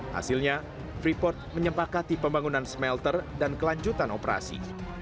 hasilnya freeport menyempakati pembangunan smelter dan kelanjutan operasi